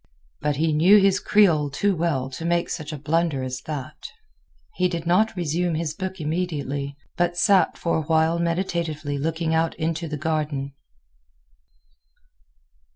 but he knew his Creole too well to make such a blunder as that. He did not resume his book immediately, but sat for a while meditatively looking out into the garden.